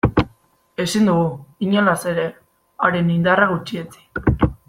Ezin dugu, inolaz ere, haren indarra gutxietsi.